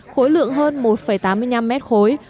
khối lượng hơn một tám mươi năm m khối